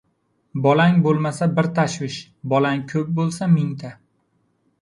• Bolang bo‘lmasa bir tashvish, bolang ko‘p bo‘lsa ― mingta.